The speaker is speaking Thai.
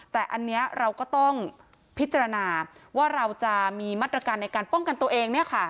แต่อันนี้เราก็ต้องพิจารณาว่าเราจะมีมาตรการในการป้องกันตัวเอง